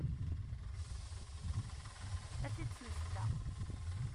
Ad tt-id-smesdeɣ.